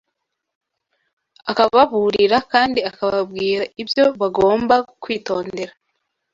akababurira kandi akababwira ibyo bagombaga kwitondera